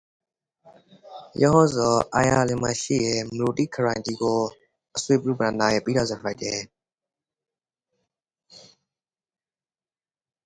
It was named after the town and county of Roscommon in Ireland.